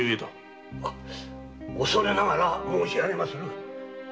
恐れながら申し上げます。